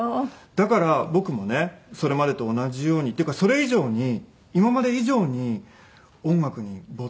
だから僕もねそれまでと同じようにっていうかそれ以上に今まで以上に音楽に没頭できてたんだと思います。